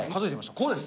こうです。